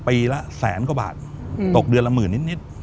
ปีละแสนกว่าบาทตกเดือนละหมื่นนิด